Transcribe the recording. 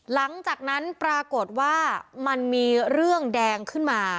หลังจากนั้นปรากฏว่ามันมีเรื่องแดงขึ้นมา